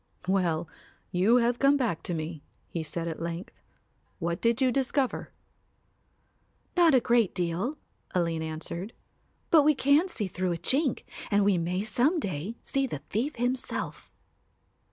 "Well, you have come back to me," he said at length. "What did you discover?" "Not a great deal," Aline answered, "but we can see through a chink and we may some day see the thief himself."